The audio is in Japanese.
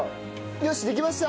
よしできました！